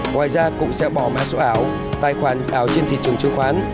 ngoài ra cũng sẽ bỏ mã số ảo tài khoản ảo trên thị trường chứng khoán